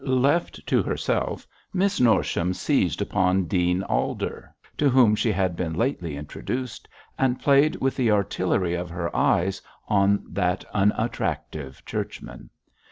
Left to herself, Miss Norsham seized upon Dean Alder, to whom she had been lately introduced, and played with the artillery of her eyes on that unattractive churchman.